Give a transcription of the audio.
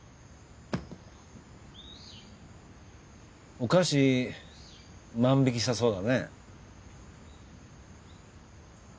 お菓子万引きしたそうだね？